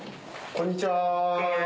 こんにちは。